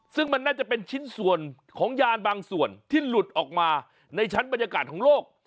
ซึ่งมันน่าจะเป็นชิ้นส่วนของยานบางส่วนที่หลุดออกมาในชั้นบรรยากาศของโลก